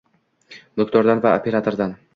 mulkdordan va operatordan